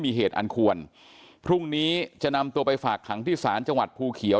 มีเหตุอันควรพรุ่งนี้จะนำตัวไปฝากขังที่ศาลจังหวัดภูเขียว